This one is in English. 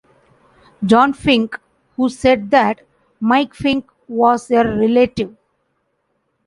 John Fink, who said that Mike Fink was a relative.